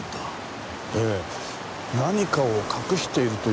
ええ何かを隠しているというか。